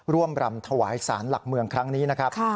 รำถวายสารหลักเมืองครั้งนี้นะครับ